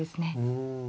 うん。